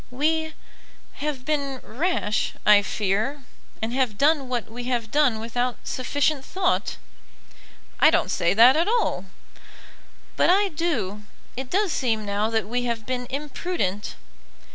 "We have been rash, I fear; and have done what we have done without sufficient thought." "I don't say that at all." "But I do. It does seem now that we have been imprudent."